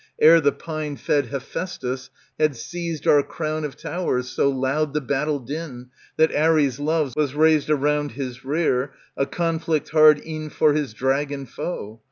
Ere the pine fed Hephaestos Had seized our crown of towers So loud the battle din That Ares loves was raised around his lear, A conflict hard e'en for his dragon foe.